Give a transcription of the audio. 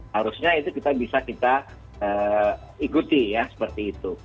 harusnya itu kita bisa kita ikuti ya seperti itu